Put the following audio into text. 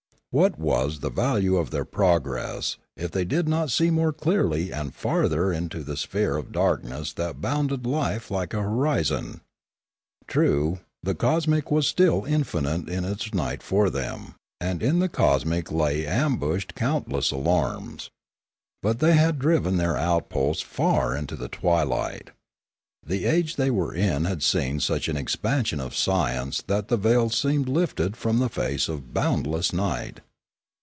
What was the value of their progress, if they did not see more clearly and farther into the sphere of dark ness that bounded life like a horizon ? True, the cos mic was still infinite in its night for them, knd in the cosmic lay ambushed countless alarms. But they had driven their outposts far into the twilight. The age they were in had seen such an expansion of science that the veil seemed lifted from the face of boundless night.